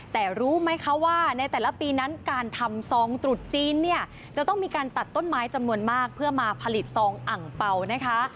แต่รู้ไหมคะว่าในแต่ละปีนั้นการทำซองตรุษจีนเนี่ยจะต้องมีการตัดต้นไม้จำนวนมากเพื่อมาผลิตซองอังเปล่านะคะ